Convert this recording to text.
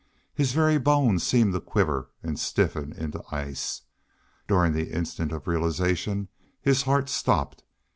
His very bones seemed to quiver and stiffen into ice. During the instant of realization his heart stopped.